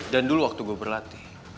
dan dulu waktu gue berlatih